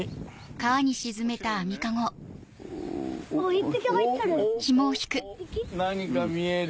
２匹入ってる！